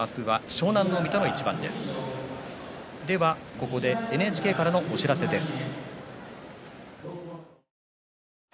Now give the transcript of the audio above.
ここでＮＨＫからのお知らせです。